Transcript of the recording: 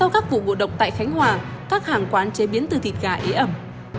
các vụ bộ động tại khánh hòa các hàng quán chế biến từ thịt gà y ẩm